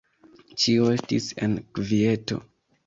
Ĉio estis en kvieto.